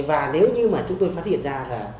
và nếu như mà chúng tôi phát hiện ra là